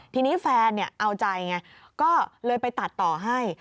ทีนี้แฟนเอาใจไงก็เลยไปตัดต่อให้